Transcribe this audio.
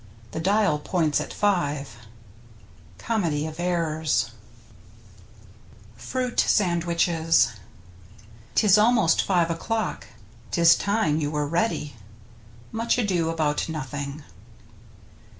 The dial points at five. — Comedy of Errors. FRUIT SANDWICHES 'Tis almost five o'clock ... His time you were ready. — Much Ado about Nothing.